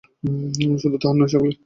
শুধু তাহার নয়, সকলের।